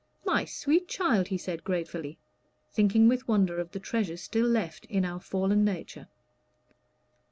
"My sweet child," he said gratefully, thinking with wonder of the treasures still left in our fallen nature.